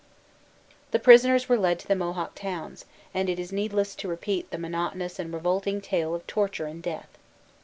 The prisoners were led to the Mohawk towns; and it is needless to repeat the monotonous and revolting tale of torture and death.